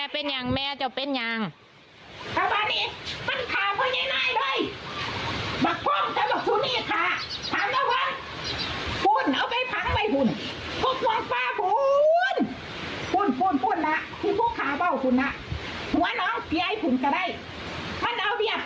ป้าพ่อยไปปัดสูงนี่แล้วบอกว่าทานลงบ้าง